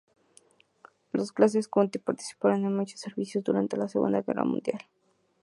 Los clase County, participaron en muchos servicios durante la Segunda Guerra Mundial.